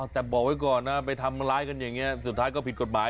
แต่บอกไว้ก่อนนะไปทำร้ายกันอย่างนี้สุดท้ายก็ผิดกฎหมาย